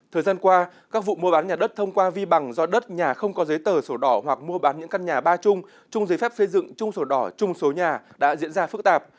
thời gian qua các vụ mua bán nhà đất thông qua vi bằng do đất nhà không có giấy tờ sổ đỏ hoặc mua bán những căn nhà ba chung chung giấy phép xây dựng chung sổ đỏ chung số nhà đã diễn ra phức tạp